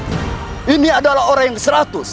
nah ini adalah orang yang seratus